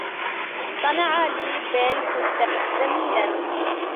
صنع لي بِل فستانًا جميلًا.